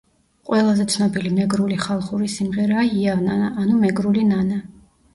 ყველაზე ცნობილი მეგრული ხალხური სიმღერაა იავნანა ანუ „მეგრული ნანა“.